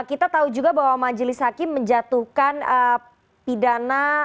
kita tahu juga bahwa majelis hakim menjatuhkan pidana